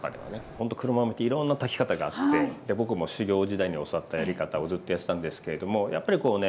ほんと黒豆っていろんな炊き方があって僕も修業時代に教わったやり方をずっとやってたんですけれどもやっぱりこうね